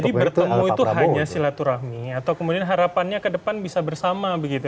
jadi bertemu itu hanya silaturahmi atau kemudian harapannya ke depan bisa bersama begitu